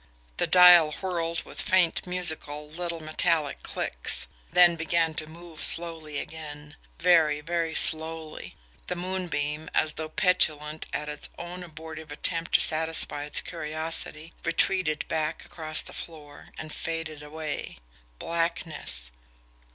The dial whirled with faint, musical, little metallic clicks; then began to move slowly again, very, very slowly. The moonbeam, as though petulant at its own abortive attempt to satisfy its curiosity, retreated back across the floor, and faded away. Blackness!